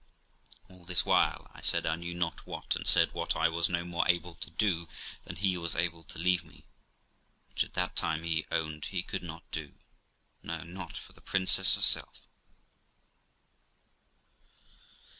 All this while I said I knew not what, and said what I was no more able to do than he was able to leave me; which, at that time, he owned he could not do no, not for the princess herself.